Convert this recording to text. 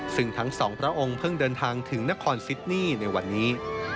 ซึ่งทั้งสองพระองค์เพิ่งเดินทางถึงนครซิดนี่ในวันนี้